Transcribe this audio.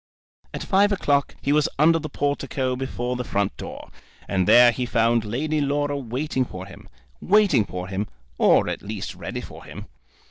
At five o'clock he was under the portico before the front door, and there he found Lady Laura waiting for him, waiting for him, or at least ready for him.